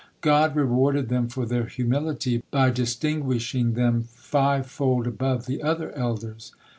God rewarded them for their humility by distinguishing them five fold above the other elders.